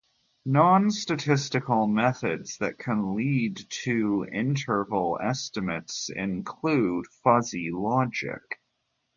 Non-statistical methods that can lead to interval estimates include fuzzy logic.